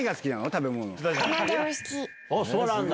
そうなんだ